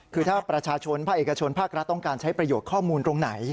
คือถ้าประชาชนภาคเอกชนภาครัฐต้องการใช้ประโยชน์ข้อมูลตรงไหน